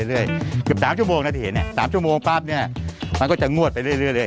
เกือบ๓ชั่วโมงนะที่เห็นเนี่ย๓ชั่วโมงปั๊บเนี่ยมันก็จะงวดไปเรื่อย